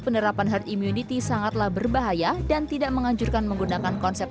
penerapan herd immunity sangatlah berbahaya dan tidak menganjurkan menggunakan konsep